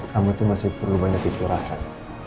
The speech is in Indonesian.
kamu itu masih perlu banyak istirahat